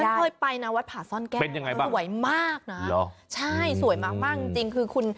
ที่ฉันเคยไปนะวัดผาซ่อนแก้วเป็นยังไงบ้างสวยมากน่ะหรอใช่สวยมากมากจริงจริงคือคุณ